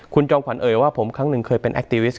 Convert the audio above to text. คุณจอมขวัญเอ่ยว่าผมครั้งหนึ่งเคยเป็นแอคติวิส